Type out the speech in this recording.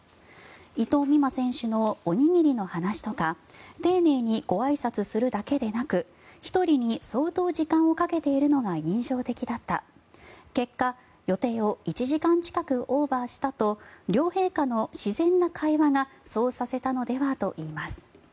伊藤美誠選手のおにぎりの話とか丁寧にごあいさつするだけでなく１人に相当時間をかけているのが印象的だった結果、予定を１時間近くオーバーしたと両陛下の自然な会話がそうさせたのではといいます。